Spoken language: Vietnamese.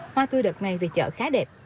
hoa tươi đợt này về chợ khá đẹp